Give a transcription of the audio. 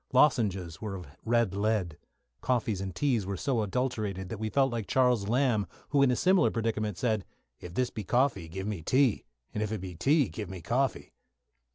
Lozenges were of red lead. Coffees and teas were so adulterated that we felt like Charles Lamb, who, in a similar predicament, said, "If this be coffee, give me tea; and if it be tea, give me coffee."